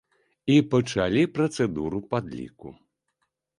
І пачалі працэдуру падліку.